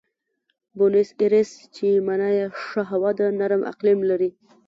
بونیس ایرس چې مانا یې ښه هوا ده، نرم اقلیم لري.